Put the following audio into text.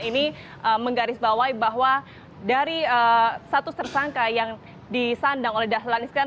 ini menggarisbawahi bahwa dari status tersangka yang disandang oleh dahlan iskan